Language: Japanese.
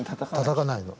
たたかないの。